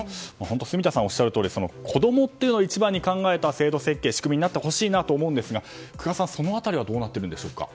住田さんがおっしゃるように子供を一番に考えた制度設計仕組みになってほしいなと思うんですが空閑さん、その辺りはどうなっているんでしょうか。